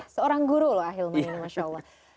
seorang guru loh ahilman masya allah